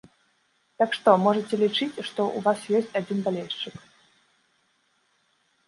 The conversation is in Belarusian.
Так што, можаце лічыць, што ў вас ёсць адзін балельшчык.